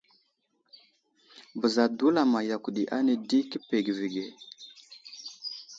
Bəza dulama yakw ɗi ane di kə pege avige.